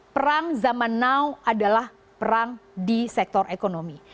perang zaman now adalah perang di sektor ekonomi